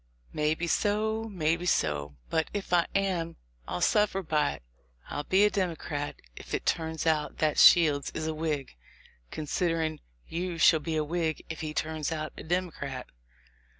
Maybe so, maybe so ; but, if I am, I'll suffer by it ; I'll be a Democrat if it turns out that Shields is a Whig, considerin' you shall be a W T hig if he turns out a Democrat."